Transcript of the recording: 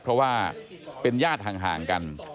เพราะว่าเป็นญาติห่างกัน